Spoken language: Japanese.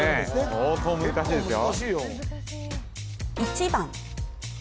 相当難しいですよ